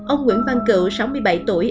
ông nguyễn văn cựu sáu mươi bảy tuổi